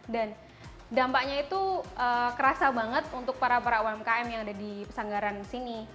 dan dampaknya itu kerasa banget untuk para para umkm yang ada di pasanggaran sini